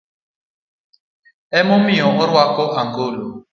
Emomiyo orwako angolo.